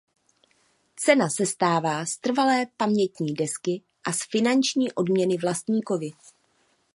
Cena sestává z trvalé pamětní desky a z finanční odměny vlastníkovi.